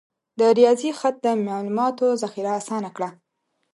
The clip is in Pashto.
د ریاضي خط د معلوماتو ذخیره آسانه کړه.